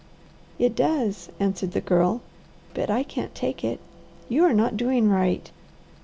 "It does," answered the Girl. "But I can't take it. You are not doing right.